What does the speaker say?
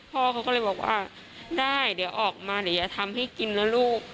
พ่อเขาก็เลยบอกว่าได้เดี๋ยวออกมาเดี๋ยวอย่าทำให้กินนะลูก